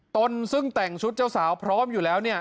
ตนซึ่งแต่งชุดเจ้าสาวพร้อมอยู่แล้วเนี่ย